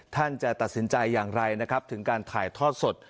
ท่านจะตัดสินใจอย่างไรนะครับถึงการถ่ายทอดสด